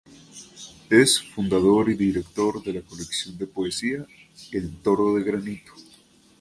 Es fundador y director de la colección de poesía "El toro de granito".